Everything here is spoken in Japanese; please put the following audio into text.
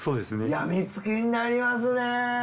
やみつきになりますね。